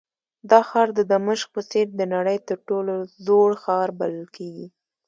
دا ښار د دمشق په څېر د نړۍ تر ټولو زوړ ښار بلل کېږي.